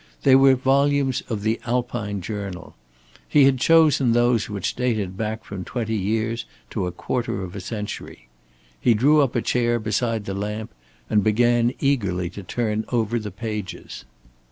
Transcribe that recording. They were volumes of the "Alpine Journal." He had chosen those which dated back from twenty years to a quarter of a century. He drew a chair up beside the lamp and began eagerly to turn over the pages.